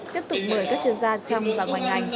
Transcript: tiếp tục mời các chuyên gia trong và ngoài ngành